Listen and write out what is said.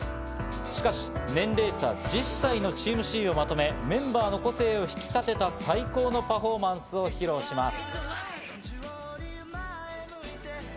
しかし、年齢差１０歳のチームＣをまとめ、メンバーの個性を引き立てた最高のパフォーマンスを披露します。